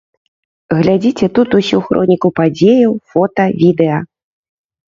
Глядзіце тут усю хроніку падзеяў, фота, відэа.